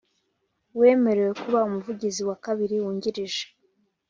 Uwemerewe kuba umuvugizi wa kabiri wungirije